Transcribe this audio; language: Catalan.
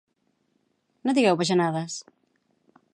no digueu bajanades!